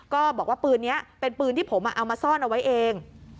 ก็บอกว่าปืนนี้เป็นปืนที่ผมเอามาซ่อนเอาไว้เอง